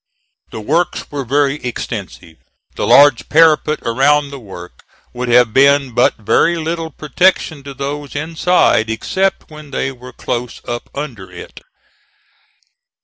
The works were very extensive. The large parapet around the work would have been but very little protection to those inside except when they were close up under it.